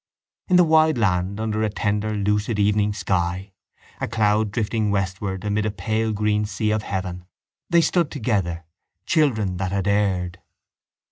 In the wide land under a tender lucid evening sky, a cloud drifting westward amid a pale green sea of heaven, they stood together, children that had erred.